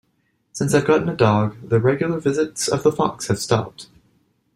Since I've gotten a dog, the regular visits of the fox have stopped.